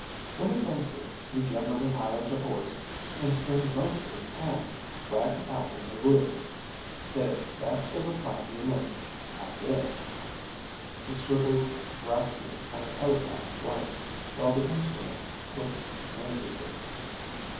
When he comes here he generally hires a horse and spends most of his time riding out in the woods. There, that's the reply to your message, I guess." He scribbled rapidly on a telegraph blank while the instrument clicked noisily.